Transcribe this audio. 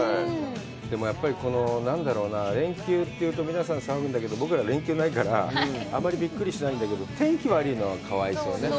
でも、やっぱり、何だろうな、連休というと、皆さんさわぐんだけど、僕ら、連休がないから、あまりびっくりしないんだけど、天気悪いのはかわいそうね。